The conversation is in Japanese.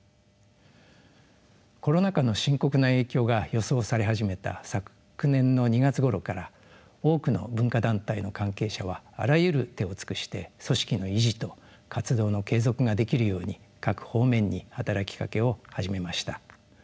コロナ禍の深刻な影響が予想され始めた昨年の２月ごろから多くの文化団体の関係者はあらゆる手を尽くして組織の維持と活動の継続ができるように各方面に働きかけを始めました。